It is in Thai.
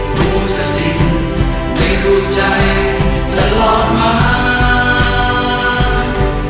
ผู้สถิตในดวงใจตลอดมา